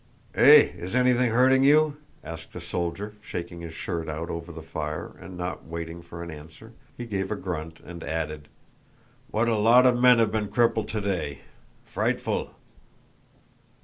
"Eh, is anything hurting you?" asked the soldier, shaking his shirt out over the fire, and not waiting for an answer he gave a grunt and added: "What a lot of men have been crippled today—frightful!"